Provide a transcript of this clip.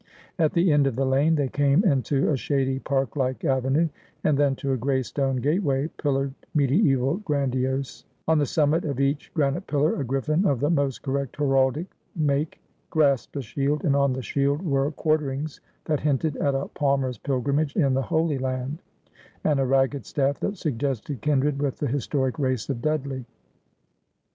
At the end of the lane they came into a shady park like avenue, and then to a gray stone gateway, pillared, mediaeval, grandiose ; on the summit of each granite pillar a griffin of the most correct heraldic make grasped a shield, and on the shield were quarterings that hinted at a palmer's pilgrimage in the Holy Land, and a ragged staff that suggested kindred with the historic race of Dudley.